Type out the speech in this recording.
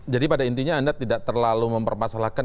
jadi pada intinya anda tidak terlalu mempermasalahkan